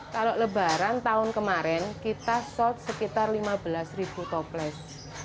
kalau lebaran tahun kemarin kita sold sekitar lima belas ribu toples